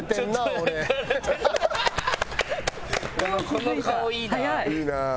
この顔いいなあ。